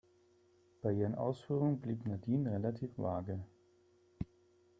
Bei ihren Ausführungen blieb Nadine relativ vage.